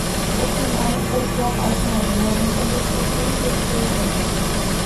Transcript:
U ham aniq bir gap aytmadi, mazasi yoʻq, shekilli, deb qoʻya qoldi.